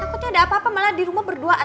takutnya ada apa apa malah di rumah berdua